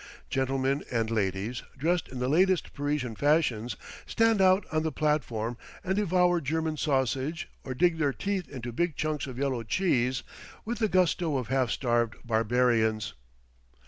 Gentlemen and ladies, dressed in the latest Parisian fashions, stand out on the platform and devour German sausage or dig their teeth into big chunks of yellow cheese with the gusto of half starved barbarians.